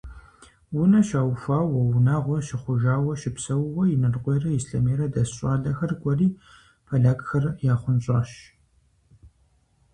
Унэ щаухуауэ, унагъуэ щыхъужауэ щыпсэууэ, Инарыкъуейрэ Ислъэмейрэ дэс щӏалэхэр кӏуэри полякхэр яхъунщӏащ.